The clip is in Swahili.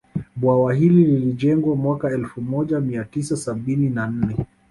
Bwawa hili lilijengwa mwaka elfu moja mia tisa sabini na nne